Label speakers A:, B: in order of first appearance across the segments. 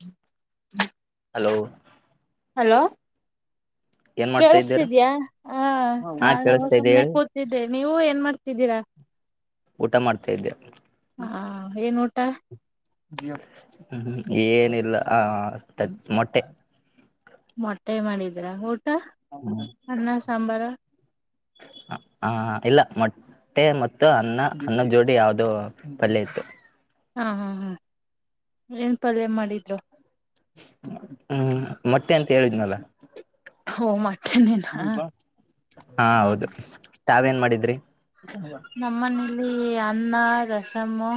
A: ಪ್ಚ್ ಟಕ್
B: ಹಲೋ ಟಕ್
A: ಹಲೋ
B: ಏನ್ ಮಾಡ್ತಾ ಇದ್ದೀರಾ
A: ಕೇಳಸ್ತಿದಿಯಾ ಆ
B: ಹಾ
A: ನಾನು
B: ಕೇಳಿಸ್ತಾ ಇದ್ದೆ
A: ಸುಮ್ಮನೆ
B: ಹೇಳಿ
A: ಕೂತಿದ್ದೆ ನೀವು ಏನ ಮಾಡ ಇದ್ದೀರಾ
B: ಊಟ ಮಾಡ್ತಾ ಇದ್ದೆ ಟಕ್
A: ತ್ತ
B: ಪ್ಚ್ ಏನಿಲ್ಲ ಆ ತತ ಮೊಟ್ಟೆ
A: ಮೊಟ್ಟೆ ಮಾಡಿದ್ರಾ ಊಟ ಅನ್ನ ಸಾಂಬಾರ
B: ಹಾ ಇಲ್ಲ ಮೂ ಮೊಟ್ಟೆ ಮತ್ತು ಅನ್ನ ಅನ್ನದ ಜೋಡಿ ಯಾವ್ದೋ ಪಲ್ಯ ಇತ್ತು
A: ಹಾ ಹಾ ಹ್ಮ್ ಏನ್ ಪಲ್ಯ ಮಾಡಿದ್ರು
B: ಹ್ಮ್ ಮತ್ತೆ ಅಂತ ಹೇಳಿದ್ನಲ್ಲ
A: ಹೊಮಾ
B: ಹು ಬಾ ಹಾ ಹೌದು ತಾವೇನ್ ಮಾಡಿದ್ರಿ
A: ಪ್ಚ್ ನಮ್ಮ ಮನೇಲಿ ಅನ್ನ ರಸಮು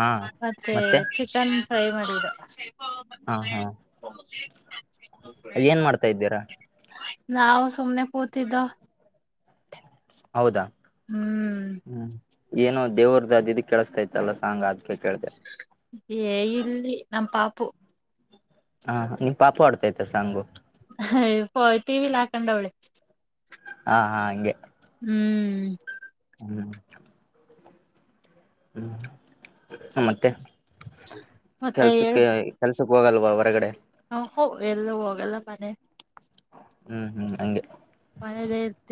B: ಹಾ
A: ಮ ತ ತ್ತೆ
B: ಮತ್ತೆ
A: ಚಿಕನ್ ಫ್ರೈ ಮಾಡಿದೆ
B: ಹಾ ಹಾ
A: ಹೋಗೆ ತಾ ತ್ವಿ
B: ಏನ್ ಮಾಡ್ತಾ ಇದ್ದೀರಾ
A: ನಾವು ಸುಮ್ನೆ ಕೂತಿದ್ದ
B: ಹೌದಾ
A: ಹ್ಮ್
B: ಹು ಏನೋ ದೇವ್ರದದಿದ ಕೇಳಿಸತಾಯಿತ್ತಲ್ಲ ಸಾಂಗ್ ಆದ ಕೇಳಿ
A: ಪ್ಚ್ ಏ ಇಲ್ಲಿ ನಮ್ಮ ಪಾಪು
B: ಹಾ ನೀಮ್ಮ ಪಾಪು ಹೊಡ್ತಾಯಿತ್ತಾ ಸಾಂಗು
A: ಹೈ ಪೋ ಟಿವಿಲಿ ಹಾಕೊಂಡವಳೇ
B: ಪೋ ಹಾ ಹಾ ಹಂಗೆ
A: ಹುಹ್ಹ್ಹ್
B: ಹು ಪ್ಚ್ ಪ್ಚ್ ಪ್ಚ್ಲ್ ಮತ್ತೆ ಪ್ಚ್ಲ್
A: ಮತ್ತೆ
B: ಕೆಲ್ಸಕ್ಕೆ ಎ ಐ ಕೆಲಸಕ್ಕೆ ಹೋಗಲ್ವ ಹೊರಗಡೆ
A: ಹು ಹೋ ಎಲ್ಲೂ ಹೋಗಲ್ಲ ಮನೆ
B: ಹು ಹು ಹಂಗೆ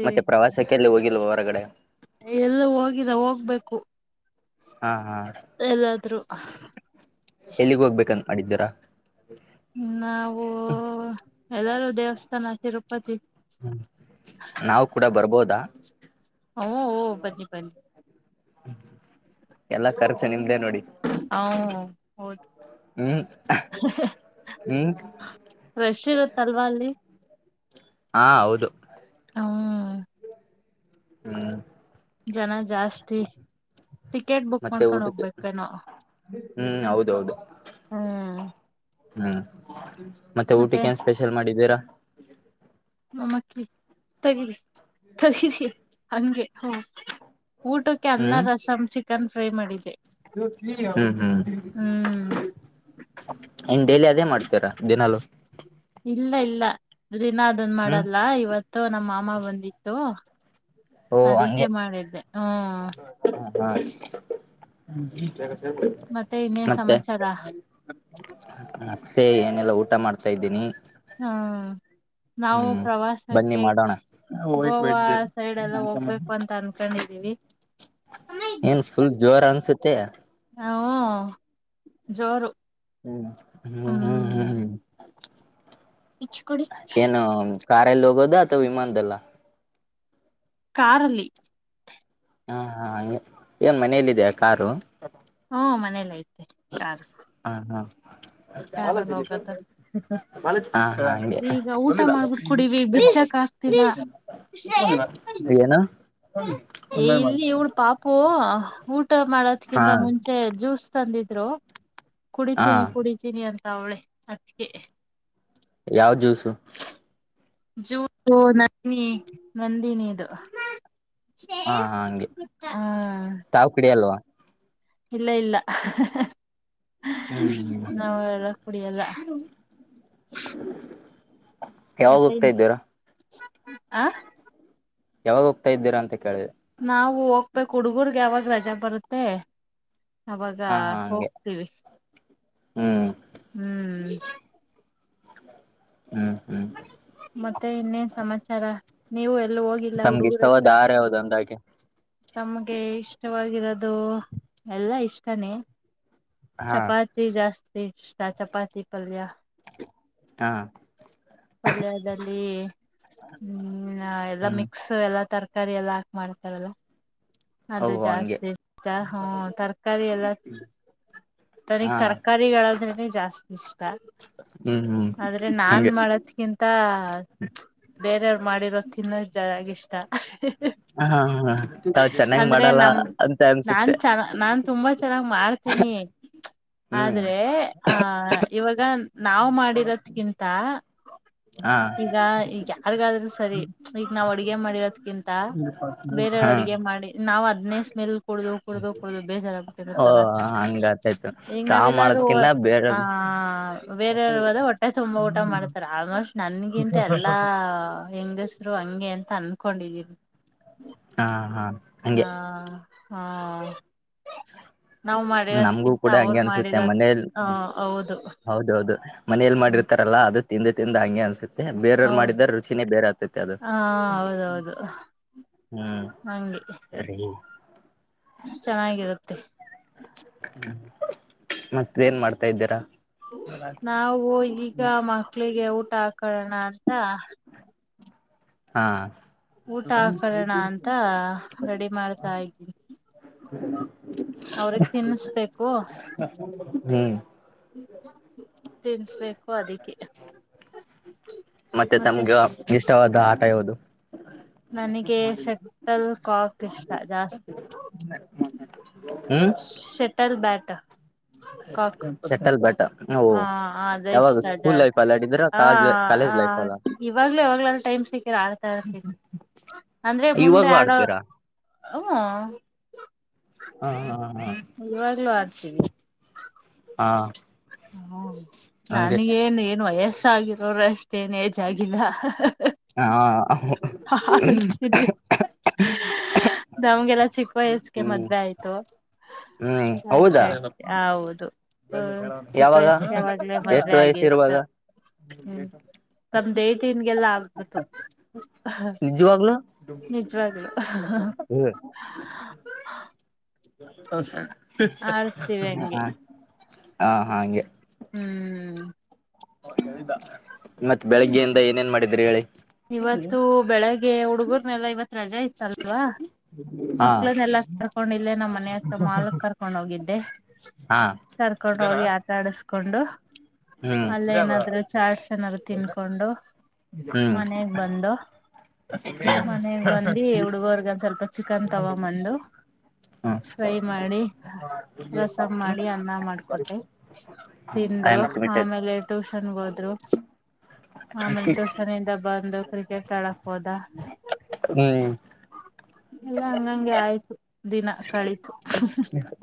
B: ಮತ್ತೆ ಪ್ರವಾಸಕ್ಕೆ ಎಲ್ಲಿ ಹೋಗಿಲ್ವ ಹೊರಗಡೆ
A: ಎಲ್ಲೂ ಹೋಗಿಲ್ಲ ಹೋಗ್ಬೇಕು
B: ಹಾ ಹಾ
A: ಎಲ್ಲಾದ್ರೂ ಹ್ಹ ಹು
B: ಆಡಿದ್ದೀರಾ
A: ನಾವು ಎಲ್ಲರು ದೇವಸ್ಥಾನ ತಿರು
B: ಹು ನಾವು ಕೂಡ ಬರ್ಬೋದಾ
A: ಹು ಹು ಬನ್ನಿ ಬನ್ನಿ
B: ಎಲ್ಲಾ ಖರ್ಚ ನಿಮ್ದೇ ನೋಡಿ
A: ಹು
B: ಹು ಹಕ್ ಹು
A: ರಶ್ ಇರುತ್ತಲ್ವಾ ಅಲ್ಲಿ
B: ಪ್ಚ್ ಹಾ ಹೌದು
A: ಹ್ಮ್
B: ಹ್ಹು
A: ಜನಾ ಜಾಸ್ತಿ ಟಿಕೆಟ್ ಬುಕ್ ಮಾಡ್ಕೊಂಡ್ ಹೋಗ್ಬೇಕ ಏನೋ
B: ಹು ಹೌದು ಹೌದು
A: ಹ್ಹು
B: ಹು ಮತ್ತೆ ಊಟಕ್ಕೆ ಏನ ಸ್ಪೆಷಲ್ ಮಾಡಿದ್ದೀರಾ
A: ಮತ್ತೆ ತಗಿರಿ ತಗಿರಿ ಹಂಗೆ ಹ ಊಟಕ್ಕೆ ಅನ್ನ ರಸಮ್ ಚಿಕನ್ ಫ್ರೈ ಮಾಡಿದ್ದೆ.
B: ಇ
A: ಹ್ಮ್
B: ಇನ್ ಡೈಲಿ ಅದೇ ಮಾಡ್ತೀರ ದಿನಲುೂ
A: ಇಲ್ಲ ಇಲ್ಲ ದಿನ ಅದನ್
B: ಹ್ಮ್
A: ಮಾಡಲ್ಲ ಇವತ್ತು ನಮ್ಮ ಮಾಮ ಬಂದಿತ್ತು
B: ಓ
A: ಅದಕ್ಕೆ
B: ಹಂಗೆ
A: ಮಾಡಿದ್ದೆ ಹ್ಮ
B: ಹ
A: ಮತ್ತೆ ಇನ್ನೇನ್
B: ಮತ್ತೆ
A: ಸಮಾಚಾರ
B: ಸೇ ಏನೆಲ್ಲಾ ಊಟ ಮಾಡ್ತಾ ಇದ್ದೀನಿ
A: ಹ್ಮ ನಾವು
B: ಹ್ಮ್ ಬನ್ನಿ
A: ಪ್ರವಾಸಕ್ಕೆ ಇ
B: ಮಾಡೋಣ
A: ಗೋವಾ ಸೈಡ್ ಎಲ್ಲಾ ಹೋಗ್ಬೇಕು ಅಂತ ಅನ್ಕೊಂಡಿದೀವಿ.
B: ಏನ್ ಫುಲ್ ಜೋರ ಅನ್ಸುತ್ತೆ
A: ಹ
B: ಹ್ಮ ಹ್ಮ್ ಹ್ಮ್ ಹ್ಮ್
A: ಇಚ್ಚು ಕೊಡಿ
B: ಕಾರ ಲೋಗೋದ ಅಥವಾ ವಿಮಾನದಲ್ಲ
A: ಕಾರಲ್ಲಿ
B: ಹಾ ಹಾ ಹ ಏನ್ ಮನೆಯಲ್ಲಿದೆೆಯ ಕಾರು
A: ಹ್ಮ ಮನೇಲ್ಲ ಐತೆ ಕಾರ್
B: ಹಾ ಹಾ
A: ಕಾರಲ್ಲಿ ಹೋಗೋದು
B: ಹ
A: ಈಗ ಊಟ
B: ಬಂದಿಲ್ಲ
A: ಮಾಡ್ಬಿಟ್ಟು
B: ಹ್ಮ
A: ಕುಡಿವಿ
B: ಏನ್ ಮಾಡ್ತ
A: ಬಿಚ್ಚಕ್ ಆಗ್ತಿಲ್ಲ
B: ನಾ
A: ಏ ಇಲ್ಲಿ ಇವಳ ಪಾಪು ಊಟ
B: ಹಾ
A: ಮಾಡದ್ಕಿಂತ ಮುಂಚೆ ಜ್ಯೂಸ್ ತಂದಿದ್ರು
B: ಹಾ
A: ಕುಡಿತೀನಿ ಕುಡಿತೀನಿ ಅಂತ ಅವಳೆ ಅದಕ್ಕೆ
B: ಯಾವ ಜ್ಯೂಸು
A: ಜೂ ನಂದಿ ನಂದಿನಿದು
B: ಹಾ ಹಾ ಹಂಗೆ
A: ಹಾ
B: ತಾವು ಕುಡಿಯಲ್ವಾ
A: ಇಲ್ಲ ಇಲ್ಲ
B: ಹ್ಮ್
A: ನಾ
B: ಹ್ಮ್
A: ಕುಡಿಯಲ್ಲ
B: ಯಾವಾಗ
A: ಮತ್ತೆ
B: ಹೋಗ್ತಾ ಇದ್ದೀಾರ
A: ಆ
B: ಯಾವಾಗ ಹೋಗ್ತಾ ಇದ್ದೀರ ಅ
A: ನಾವವು ಹೋಗ್ಬೇಕು ಹುಡ್ಗರ್ಗ್ ಯಾವಾಗ ರಜೆ ಬರುತ್ತೆ ಅವಾಗ
B: ಹಾ ಹಾ ಹಂಗೆ
A: ಹೋಗ್ತೀವಿ
B: ಹ್ಮ್
A: ಹ್ಮ್
B: ಹ್ಮ್ ಹ್ಮ್
A: ಮತ್ತೆ ಇನ್ನೇ ಸಮಾಚಾರ ನೀವು ಹೋಗಿಲ್ಲ
B: ತಮ್ಗೆ ಇಷ್ಟವಾದ
A: ಹುಡುಗರೆಲ್ಲ
B: ಆಹಾರ ಯಾವ್ದು ಅಂದಾಗೆ
A: ತಮಗೆ ಇಷ್ಟವಾಗಿರೋದು ಅದು ಎಲ್ಲಾ ಇಷ್ಟನೇ
B: ಹಾ
A: ಚಪಾತಿ ಜಾಸ್ತಿ ಷ್ಟ ಚಪಾತಿ ಪಲ್ಯ
B: ಹಾ
A: ಪಲ್ಯದಲ್ಲಿ ಹ್ಮ ಎಲ್ಲಾ
B: ಹ್ಮ್
A: ಮಿಕ್ಸ್ ಎಲ್ಲಾ ತರಕಾರಿ ಕರಿ ಎಲ್ಲಾ ಹಾಕ್ ಮಾಡ್ತಾರಲ್ಲ ಅದು
B: ಓಹೋ ಹಂಗೆ
A: ಜಾಸ್ತಿ ಇಷ್ಟ ಹ್ಮ ತರಕಾರಿ ಎಲ್ಲ ನನಗ್
B: ಹಾ
A: ತರಕಾರಿಗಳದ್ರ ಜಾಸ್ತಿ ಇಷ್ಟ
B: ಹ್ಮ್ ಹ್ಮ್
A: ಆದ್ರೆ ನಾನ್
B: ಹಂಗೆ
A: ಮಾಡದಕಿಂತ ಬೇರೆಯವ್ರು ಮಾಡಿರೋ ತಿನ್ನೋ ಜಷ್ಟ
B: ಹಾ ಹಾ
A: ಅಂದ್ರೆ ನಮ ನಾನ್
B: ಅನ್ಸುತ್ತೆ
A: ಚನ್ನ ನಾನ್ ತುಂಬಾ ಚೆನ್ನಾಗ್ ಮಾಡ್ತೀನಿ
B: ಹ್ಮ್
A: ಆದ್ರೆ ಆಹ ಇವಾಗ ನಾವ್ ಮಾಡಿರೋದ್ಕಿಂತ ಹ
B: ಹ
A: ಈಗ ಈಗ ಯಾರ್ಗಾದ್ರೂ ಸರಿ ಈಗ ನಾವ್ ಅಡ್ಗೆ ಮಾಡಿರೋದ್ಕಿಂತ ಬೇರೆಯವ್ರ
B: ಹಾ
A: ಅಡ್ಗೆ ಮಾಡಿ ನಾವ್ ಹದ್ನೇ ಸ್ಮೆಲ್ ಕುಡಿದ ಕುಡಿದ ಕುಡು
B: ಓ
A: ಬೇಜಾರಾಗ್ಬಿಟ್ಟಿತ್ತಲ್ಲ
B: ಹಂಗ ಆತಾಯ್ತು
A: ಈಗ
B: ಚಾ
A: ನಾವೆಲ್ಲಾರೂ
B: ಮಾಡದ್ಕಿನ್ನ ಬೇರೆ
A: ಹ ಬೇರೆವ ಒಟ್ಟ ತುಂಬಾ ಊಟ ಮಾಡ್ತಾರೆ ಆಲ್ಮೋಸ್ಟ್ ನನ್ಗಿಂತ ಎಲ್ಲಾ ಹೆಂಗಸ್ರು ಹಂಗೆ ಅಂತ ಅನ್ಕೊಂಡಿದೀವಿ.
B: ಹಾ ಹಾ
A: ಹಾ
B: ಹಂಗೆ
A: ಹಾ
B: ನಮ್ಗೂ ಕೂಡ ಹಂಗೆ ಅನ್ಸುತ್ತೆ ಮನೆಯಲ್ಲಿ
A: ಹ
B: [unintelligible]
A: ಹೌದು
B: ಹೌದೌದು ಮನೇೆಯಲ್ಲಿ ಮಾಡಿದ್ ಇರ್ತರಲ್ಲ ಅದು ತಿಂದು ತಿಂದು ಹಂಗೆ ಅನ್ಸುತ್ತೆ ಮತ್ತ ಬೇರವರು
A: ಹೌದು
B: ಮಾಡಿದಾರ ರುಚಿನೇ ಬೇರೆ ಆಗ್ತತಿ ಅದು.
A: ಹಾ ಹೌದೌದು
B: ಹ್ಮ್
A: ಹಂಗೆ
B: ರ [unintelligible]
A: ಚೆನ್ನಾಗಿರುತ್ತೆ
B: [inaudible] ಮತ್ತೆ ಏನ್ ಮಾಡ್ತಾ ಇದ್ದೀರಾ.
A: ನಾವು ಈಗ ಮಕ್ಳಿಗೆ ಊಟ ಹಾಕೊಳ್ಳೋಣ ಅಂತ
B: ಹಾ
A: ಊಟ ಹಾಕೊಳ್ಳೋಣ ಅಂತ ರೆಡಿ ಮಾಡ್ತಾ ಇದ್ದೀನಿ.
B: ಹ
A: ಅವ್ರಿಗ್ ತಿನ್ನಿಸಬೇಕು.
B: ಹ್ಮ್
A: ತಿನ್ಸ್ಬೇಕು ಅದಕ್ಕೆ
B: ಮತ್ತೆ ತಮ್ಗೆ ಇಷ್ಟವಾದ ಆಟ ಯಾವುದು.
A: [inaudible] ನನಗೆ ಶಟಲ್ ಕಾಕ್ ಇಷ್ಟ ಜಾಸ್ತಿ ಶಟಲ್ ಬ್ಯಾಟು
B: ಶೇಟ್ಟಲ್ ಬ್ಯಾಟ ಓ
A: ಹಾ ಅದೆ
B: ಯಾವಾಗ
A: ಇಷ್ಟ
B: ಸ್ಕೂಲ್
A: ಜಾಸ್ತಿ
B: ಲೈಫ್ ಅಲ್ಲಿ ಆಡಿದ್ರ
A: ಹ
B: ಕಾಲೇಜ್
A: ಹ
B: ಕಾಲೇಜ್ ಲೈಫ್ ಅಲ್ಲ
A: ಇವಾಗ್ಲೇ ಯಾವಾಗ್ಲೆಲ್ಲ ಟೈಮ್ ಟೈಮ್ ಸಿಕಾಗ ಆಡ್ತಾ ಇರ್ತೀನಿ ಅಂದ್ರೆ ಮುಂದೆ
B: ಇವಾಗೂ
A: ಆಡೋ
B: ಆಡ್ತೀರಾ
A: ಹ್ಮ
B: ಹಾ ಹಾ
A: ಇವಾಗ್ಲೂ ಆಡ್ತೀವಿ
B: ಹಾ
A: ಹ್ಮ
B: ಹಂಗೆ
A: ನನ್ಗೇನ್ ಏನ್ ವಯಸ್ಸ ಆಗಿರೋರ ಅಷ್ಟೇಏನ್ ಏಜ್ ಆಗಿಲ್ಲ.
B: ಹಾ
A: ಅ ಅ ಹಾತರಿ
B: [inaudible]
A: ನಮ್ಗೆಲ್ಲ ಚಿಕ್ಕ ವಯಸ್ಸಗೆ
B: ಹ್ಮ್
A: ಮದ್ವೆ ಆಯ್ತು.
B: ಹ್ಮ್
A: ಆಯ್ತ
B: ಹೌದಾ
A: ಆಯ್ತು ಹೌದು ಹ ಚಿಕ್ಕ
B: ಯಾವಾಗ
A: ವಯಸ್ಗೆ ಆವಾಗ್ಲೇ
B: ಎಷ್ಟು
A: ಮದ್ವೆ
B: ವಯಸ್ಸ ಇರುವಾಗ
A: ಆಗಿತ್ತು. ಹ್ಮ್ ನಮ್ದು ಹೆಟಿನ್ಗೆಲ್ಲಾ ಆಗ್ಬುತು
B: ನಿಜವಾಗಲೂ
A: ನಿಜವಾಗ್ಲು
B: ಹ್ಮ್
A: ಆಡ್ತೀವಿ ಹಂಗೆ
B: ಹ ಹಗೆ
A: ಹ್ಮ್
B: ಮತ್ ಬೆಳಗ್ಗೆಯಿಂದ ಏನೇನ್ ಮಾಡಿದ್ರಿ ಹೇಳಿ
A: ಇವತ್ತು ಬೆಳಿಗ್ಗೆ ಹುಡುಗರ್ನೆಲ್ಲ ಇವತ್ ರಜೆ ಇತ್ತಲ್ವಾ
B: ಹಾ
A: ಮಕ್ಳನ್ನೆಲ್ಲಾ ಕರ್ಕೊಂಡಿ ಇಲ್ಲೇ ನಮ್ಮ್ ಮನೆ ಹತ್ರ ಮಾಲ್ಕ್ ಕರ್ಕೊಂಡ್ ಹೋಗಿದ್ದೆ
B: ಹಾ
A: ಕರ್ಕೊಂಡ್ ಹೋಗಿ ಆಟ ಆಡಿಸಸ್ಕೊಂಡು
B: ಹ್ಮ್
A: ಅಲ್ಲೇ ಏನಾದ್ರು ಚಾರ್ಟ್ಸ್ ಏನಾದ್ರು ತಿನ್ಕೊಂಡು
B: ಹ್ಮ್
A: ಮನೆಗ್ ಬಂದು ಮನೆಗ್ ಬಂದಿ ಹುಡುಗ್ರಿಗ್ ಒಂದ ಸ್ವಲ್ಪ ಚಿಕನ್ ತಗೊ ಬಂದು
B: ಹ್ಮ್
A: ಫ್ರೈ ಮಾಡಿ ರಸಮ ಮಾಡಿ ಅನ್ನ ಮಾಡ್ಕೊಟ್ಟೆ
B: ಐ
A: ತಿಂದ್ರು
B: ಆಮ್ ಕಮಿಟೆಡ್
A: ಆಮೇಲೆ ಟುಶನ್ಗ್ ಹೋದ್ರು ಆಮೇಲೆ ಟ್ಯೂಶನ್ ನಿಂದ ಬಂದು ಕ್ರಿಕೆಟ್ ಆಡಕ್ ಹೋದ
B: ಹ್ಮ್
A: ಎಲ್ಲಾ ಹಂಗಂಗೆ ಆಯ್ತು. ದಿನ ಕಳಿತು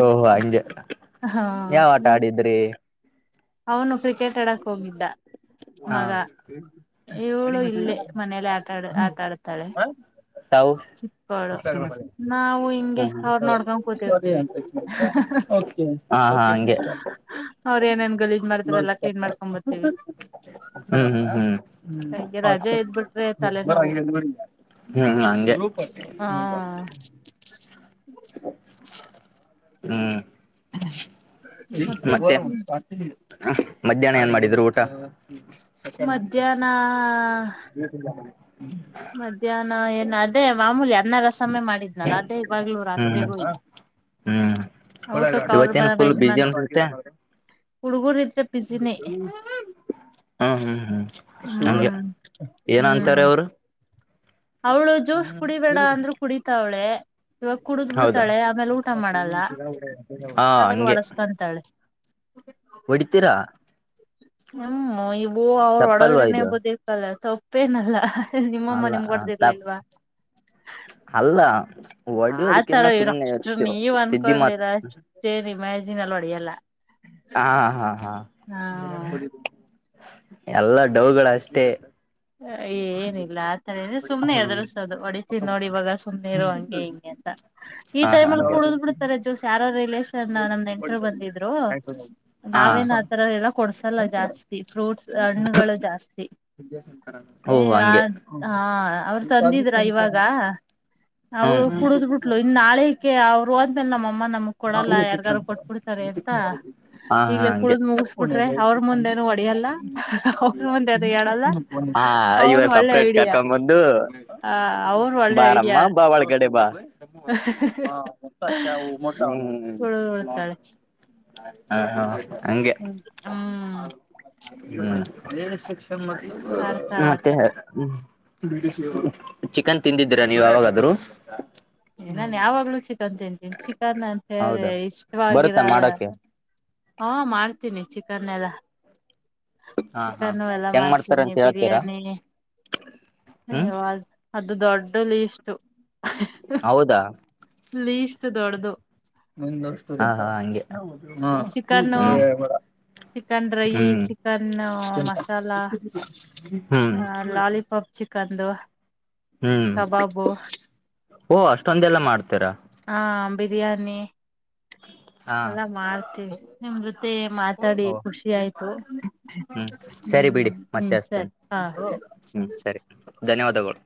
B: ಓಹೋ ಹಂಗೆ
A: ಹಾ
B: ಯಾವ ಆಟ
A: ನೀವು
B: ಆಡಿದ್ರಿ
A: ಅವನು ಕ್ರಿಕೆಟ್ ಆಡಕ್ ಹೋಗಿದ್ದ
B: ಹಾ
A: ಮಗ ಏಳು ಇಲ್ಲೇ ಮನೇೆಯಲ್ಲಿ ಆಟಾಡ ಆಟಾಡ್ುತ್ತಾಳೆ
B: ತಾವು
A: ಚಿಕ್ಕಾಳ ನಾವು ಹಿಂಗೆ ಅವ್ರ ನೋಡ್ಕೊಂಡ್ ಕೂತಿರ್ತೇವಿ
B: ಹಾ ಹಾ ಹಗೆ
A: ಅವ್ರ ಏನ್
B: ಹ್ಮ ಹ್ಮ
A: ಹಗೆ ರಜೆ
B: ಹ್ಮ
A: ಇದ್ಬಿಟ್ರೆ ತಲೆನೋವು
B: ಹ್ಮ [unintelligible]
A: ಹ
B: [unintelligible] ಹ್ಮ್ ಮತ್ತೆ ಮಧ್ಯಾಹ್ನ ಏನ್ ಮಾಡಿದ್ರು ಊಟ
A: ಮಧ್ಯಾಹ್ನ ಮಧ್ಯಾಹ್ನ ಏನು ಅದೇ ಮಾಮೂಲಿ ಅನ್ನ ರಸಯ ಮಾಡಿದ್ನಲ್ಲ ಅದೇ ಇವಾಗ
B: ಹ್ಮ್
A: ರಾತ್ರಿಗೂ
B: ಹ್ಮ್
A: ಊಟಕ್ಕೆ ಅವರು
B: ಇವತ್ತೇನ್
A: ಬಂದ
B: ಫುಲ್
A: ಇದ ಮ
B: ಬಿಜಿ ಅನ್ಸುತ್ತೆ
A: ಹುಡ್ಗೂರು ಇದ್ರೆ ಬಿಸಿನೇ
B: ಹ್ಮ ಹ್ಮ್ ಹ್ಮ್ ನಮ್ಗೆ
A: ಹ್ಮ್
B: ಏನ
A: ಹ್ಮ್
B: ಅಂತಾರ ಅವರು
A: ಅವಳು ಜ್ಯೂಸ್ ಕುಡಿಬೇಡ ಅಂದ್ರು ಕುಡಿತ ಅವಳೇ ಇವಾಗ ಕುಡುದ್
B: ಹೌದಾ
A: ಬಿಡ್ತಾಳೆ ಆಮೇಲೆ ಊಟ ಮಾಡಲ್ಲ
B: ಹಾ
A: ಆವಾಗ
B: ಹಂಗೆ
A: ಒಡಸ್ಕೊಂತಾಳೆ
B: ಹೊಡಿತೀರಾ
A: ಹ್ಮ ಇವು ಅವ್ರ
B: ತಪ್ಪಲ್ವಾ
A: ಹೊಡದ್ರನೆೇ
B: ಇದು
A: ಬದಿಕ್ಕಲ್ಲ ತಪ್ಪೇನಲ್ಲ ನಿಮ್ಮಮ್ಮ
B: ಅಲ್ಲ
A: ನಿಮ್ಗ
B: ತಪ್ಪ
A: ಹೊಡ್ದಿರ್ಲಿಲ್ವಾ
B: ಅಲ್ಲ
A: ಆತರ
B: ಹೊಡಿಯೋದಕ್ಕಿನ್ನ
A: ಇವ್ನ್
B: ಸುಮ್ನೆ
A: ಅಷ್ಟು
B: ಇರ್ತಿರು
A: ನೀವ್
B: ಸಿದ್ದಿ ಮಾತ್
A: ಅನ್ಕೊಂಡರ ಅಷ್ಟೇನ್ ಇಮ್ಯಾಜಿನ್ ಅಲ್ ಹೊಡೆಯಲ್ಲ
B: ಹಾ ಹಾ ಹಾ
A: ಹಾ
B: ಎಲ್ಲಾ ಡೌಗಳಷ್ಟೇ
A: ಏನಿಲ್ಲ ಆತ ತರ್ರೆ ಸುಮ್ನೆ
B: ಹ್ಮ
A: ಎದರ್ಸೋದು ಹೊಡತಿ ನೋಡಿ ಇವಾಗ ಸುಮ್ನೆ ಇರೋ ಹಂಗೆ ಹಿಂಗೆ ಈ
B: ಹಾ ಹಾ
A: ಟೈಮ್ಲ್ಲಿ ಕುಡುದ್
B: ಹಂಗೆ
A: ಬಿಡ್ತಾರೆ ಜ್ಯೋಸ್ ಯಾರ ರಿಲೇಷನ್ ್ಣ ನಮ್ ನೆಂಟರು ಬಂದಿದ್ರು
B: ಹಾ
A: ನಾವೇನ್ ಆತರ ಎಲ್ಲ ಕೊಡ್ಸಲ್ಲ ಜಾಸ್ತಿ ಫ್ರೂಟ್ಸ್ ಹಣ್ಣುಗಳು ಜಾಸ್ತಿ ಏ
B: ಓಹೋ
A: ಆ
B: ಹಂಗೆ
A: ಹಾ ಅವರು ತಂದಿದ್ರ ಇವಾಗ ಅವಳು
B: ಹ್ಮ್
A: ಕುಡುದ್ ಬಿಟ್ಲು ಇನ್ ನಾಳಕೆ ಅವ್ರು ಅಂದ್ಮೇಲೆ ನಮ್ಮಅಮ್ಮ ನಮ ಕೊಡಲ್ಲ ಯಾರ್ಗಾರು ಕೊಟ್ಬಿಡ್ತಾರೆ ಅಂತ
B: ಹಾ ಹಾ
A: ಈಗ್ಲೇ
B: ಹಂಗೆ
A: ಕುಳ್ದ್ ಮುಗಿಸಬಿಟ್ರೆ ಅವ್ರ ಮುಂದೇನು ಹೊಡಿಯಲ್ಲ ಹ ಮಂದೆ ಅದ ಹೇಳಲ್ಲ
B: ಹ ಇವ
A: ಅವ್ರ ಒಳ್ಳೆ
B: ಸಪ್ರೇಟ್
A: ಐಡಿಯಾ
B: ಕರ್ಕೊಂಡ್ ಬಂದು
A: ಆ ಅವರು ಒಳ್ಳೆ
B: ಬಾರಮ್ಮ
A: ಐಡಿಯಾ
B: ಬ ಬಳಗಡೆ ಬಾ ಹಾ ಸ ಮಟ
A: ಉಳ್ತಾಳೆ
B: ಹಾ ಹ ಹಗೆ
A: ಹ್ಮ್ ಹ್ಮ್
B: ಹ್ಮಕ್ಷ
A: ಆಡ್ತಾಳ ಆತರ
B: ಮತ್ತೆ್ಮ ಚಿಕನ್ ತಿಂದಿದ್ದೀರಾ ನೀವು ಯಾವಾಗಾದ್ರೂ
A: ನಾನನ್ ಯಾವಾಗ್ಲೂ ಚಿಕನ್ ತಿಂತೀನಿ ಚಿಕನ್ ಸರಿ
B: ಹೌದಾ
A: ಇಷ್ಟವಾಗಿರ
B: ಬರುತ್ತಾ ಮಾಡಕ್ಕೆ
A: ಹಾ ಮಾಡ್ತೀನಿ ಚಿಕನ್ ಎಲ್ಲ
B: ಹಾ ಹಾ
A: ಚಿಕನ್ನು ಎಲ್ಲ
B: ಹೆಂಗ್ ಮಾಡ್ತಾರ
A: ಮಾಡ್ತೀನಿ
B: ಅಂತ ಹೇಳ್ತೀರಾ
A: ಬಿರಿಯಾನಿ
B: ಹ್ಮ್
A: ಹ ಅದು ದೊಡ್ ಡ ಲೀಸ್
B: ಹೌದಾ
A: ಲೀಸ್ಟ್ ದೊಡ್ಡದು
B: ಹ ಹಗೆ
A: chicken chicken Rai chicken masala
B: ಹ್ಮ್
A: ಲಾಲಿಪಾಪ್ ಚಿಕಂದು
B: ಹ್ಮ್ ಓ ಅಷ್ಟೊಂದೆಲ್ಲ ಮಾಡ್ತೀರ
A: ಆ ಬಿರಿಯಾನಿ
B: ಹಾ
A: ಎಲ್ಲಾ ಮಾಡ್ತೀವಿ ನಿಮ್ ಜೊತೆ ಮಾತಾಡಿ
B: ಓ
A: ಖುಷಿ ಆಯ್ತು
B: ಹ್ಮ್ ಸರಿ
A: ಹ್ಮ್
B: ಬಿಡಿ ಮತ್ತೆ
A: ಹ್ಮ್
B: ಅಸ್ತೇನೆ
A: ಸರಿ ಹಾ ಸರಿ
B: ಹ್ಮ್ ಸರಿ ಧನ್ಯವಾದಗಳು